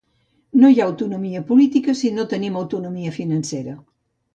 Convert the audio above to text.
No hi ha autonomia política si no tenim autonomia financera.